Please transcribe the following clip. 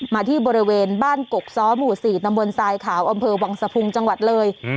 มาที่บริเวณบ้านกกซ้อหมู่๔ตำบลทรายขาวอำเภอวังสะพุงจังหวัดเลย